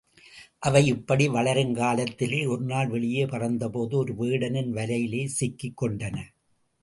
அவை இப்படி வளருங்காலத்திலே, ஒருநாள் வெளியே பறந்தபோது ஒரு வேடனின் வலையிலே சிக்கிக் கொண்டன.